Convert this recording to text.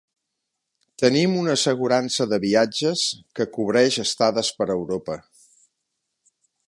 Tenim una assegurança de viatges que cobreix estades per Europa.